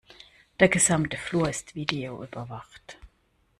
Der gesamte Flur ist videoüberwacht.